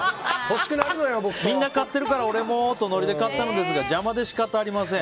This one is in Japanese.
みんな買ってるから俺もとノリで買ったのですが邪魔で仕方ありません。